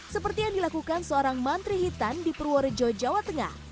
seperti yang dilakukan seorang mantri hitam di purworejo jawa tengah